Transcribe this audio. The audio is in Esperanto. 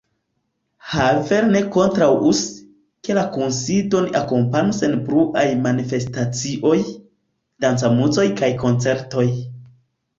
Havel ne kontraŭus, ke la kunsidon akompanu senbruaj manifestacioj, dancamuzoj kaj koncertoj.